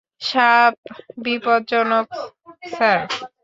সাপ বিপজ্জনক, স্যার।